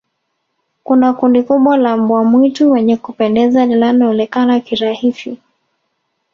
kuna kundi kubwa la mbwa mwitu wenye kupendeza linaloonekana kirahisi